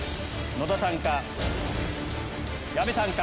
野田さんか？